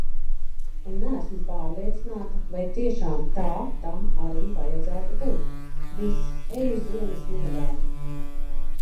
Un neesmu pārliecināta, vai tiešām tā tam arī vajadzētu būt. Viss, eju ziemas miegā!